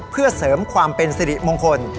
เพื่อเสริมความเป็นสิริมงคล